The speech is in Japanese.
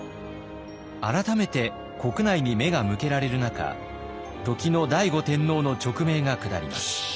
改めて国内に目が向けられる中時の醍醐天皇の勅命が下ります。